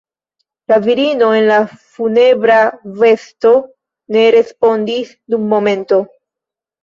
La virino en la funebra vesto ne respondis dum momento.